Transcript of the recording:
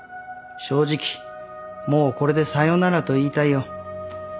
正直もうこれでさよならと言いたいよ。